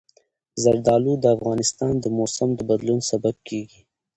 زردالو د افغانستان د موسم د بدلون سبب کېږي.